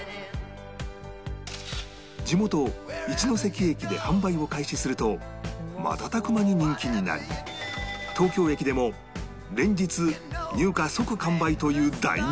地元一ノ関駅で販売を開始すると瞬く間に人気になり東京駅でも連日入荷即完売という大人気